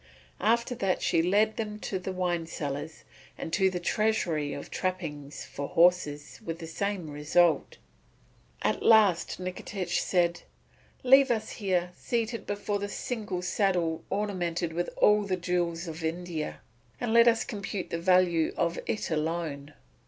After that she led them to the wine cellars and to the treasury of trappings for horses with the same result. At last Nikitich said: "Leave us here, seated before this single saddle ornamented with all the jewels of India, and let us compute the value of it alone."